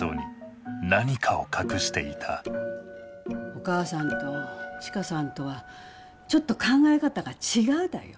お母さんと千佳さんとはちょっと考え方が違うだよ。